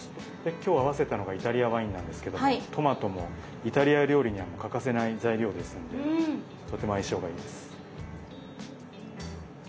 今日合わせたのがイタリアワインなんですけどトマトもイタリア料理には欠かせない材料ですのでとても相性がいいです。